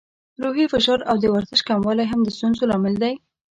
روحي فشار او د ورزش کموالی هم د ستونزو لامل دی.